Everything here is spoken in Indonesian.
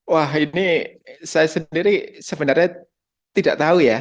wah ini saya sendiri sebenarnya tidak tahu ya